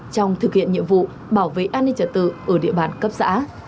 trong thực hiện nhiệm vụ bảo vệ an ninh trật tự ở địa bàn cấp xã